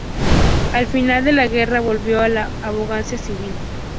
Al final de la guerra volvió a la abogacía civil.